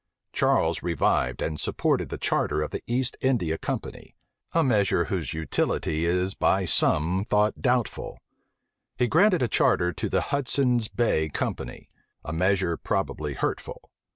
Charles revived and supported the charter of the East India Company; a measure whose utility is by some thought doubtful: he granted a charter to the Hudson's Bay Company; a measure probably hurtful.